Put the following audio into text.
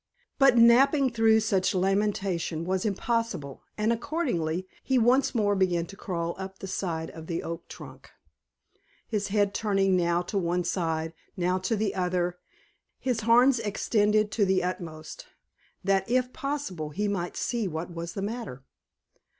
But napping through such lamentation was impossible, and accordingly he once more began to crawl up the side of the Oak trunk, his head turning now to one side, now to the other, his horns extended to the utmost, that, if possible, he might see what was the matter.